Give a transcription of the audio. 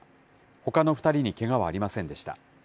ほかの２人にけがはありませんでした。